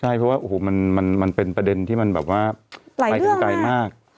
ใช่เพราะว่าโอ้โหมันเป็นประเด็นที่มันแบบว่าไปถึงไกลมาก